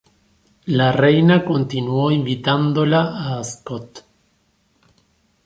La reina continuó invitándola a Ascot.